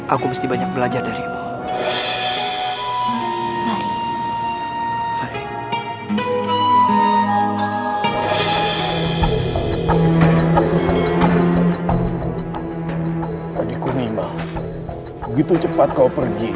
aku mesti banyak belajar darimu